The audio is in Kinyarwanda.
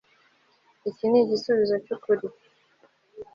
Iki ni igisubizo cyukuri